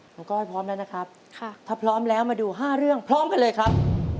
ก้อยพร้อมแล้วนะครับถ้าพร้อมแล้วมาดู๕เรื่องพร้อมกันเลยครับ